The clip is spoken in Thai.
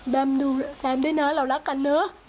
แมมดูแบมด้วยนะเรารักกันเนอะ